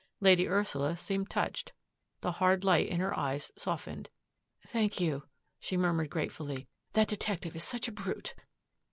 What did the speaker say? Lady Ursula seemed touched. The hard light in her eyes softened. " Thank you," she murmured gratefully. " That detective is such a brute